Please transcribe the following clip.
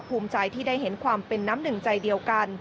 ภูมิใจที่ได้เห็นความเป็นน้ำหนึ่งใจเดียวกัน